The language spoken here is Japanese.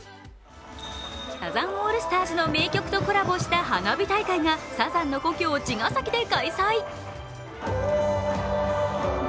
サザンオールスターズの名曲とコラボした花火大会がサザンの故郷、茅ヶ崎で開催。